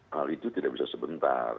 hal itu tidak bisa sebentar